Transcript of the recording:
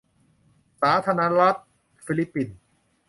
สาธารณรัฐฟิลิปปินส์